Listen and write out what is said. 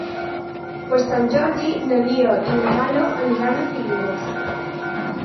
Per Sant Jordi na Lia i na Gal·la aniran a Figueres.